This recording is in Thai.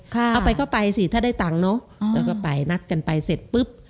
เอาไปก็ไปสิถ้าได้ตังค์เนอะแล้วก็ไปนัดกันไปเสร็จปุ๊บ